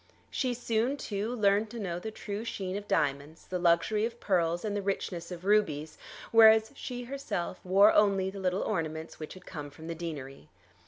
She soon, too, learned to know the true sheen of diamonds, the luxury of pearls, and the richness of rubies; whereas she herself wore only the little ornaments which had come from the deanery.